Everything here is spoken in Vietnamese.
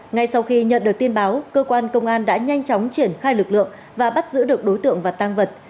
ngay sau khi nhận được tin báo cơ quan công an đã nhanh chóng triển khai lực lượng và bắt giữ được đối tượng và tăng vật